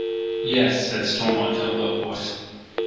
"Yes," said Stormont in a low voice.